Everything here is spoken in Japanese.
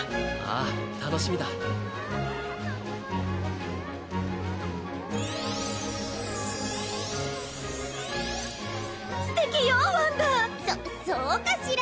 あ楽しみだステキよワンダそそうかしら